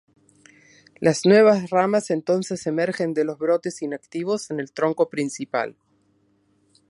Las nuevas ramas entonces emergen de los brotes inactivos en el tronco principal.